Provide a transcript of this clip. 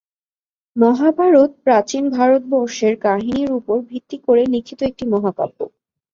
মহাভারত প্রাচীন ভারতবর্ষের কাহিনির ওপর ভিত্তি করে লিখিত একটি মহাকাব্য।